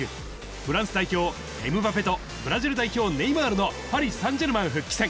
フランス最強、エムバペと、ブラジル代表、ネイマールのパリサンジェルマン復帰戦。